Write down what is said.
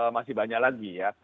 masih banyak lagi ya